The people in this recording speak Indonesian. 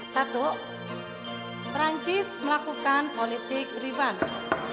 satu perancis melakukan politik revens